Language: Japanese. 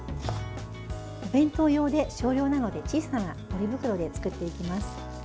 お弁当用で少量なので小さなポリ袋で作っていきます。